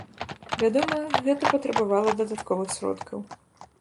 Вядома, гэта патрабавала дадатковых сродкаў.